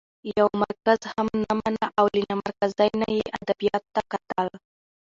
يو مرکز هم نه مانه او له نامرکزۍ نه يې ادبياتو ته کتل؛